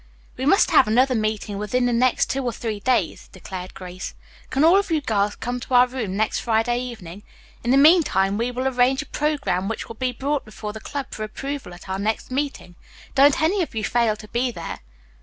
"We must have another meeting within the next two or three days," declared Grace. "Can all of you girls come to our room next Friday evening? In the meantime we will arrange a programme which will be brought before the club for approval at our next meeting. Don't any of you fail to be there."